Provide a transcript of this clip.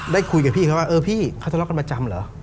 ได้คุยกับพี่เขาว่าเออพี่เขาทะเลาะกันประจำเหรอ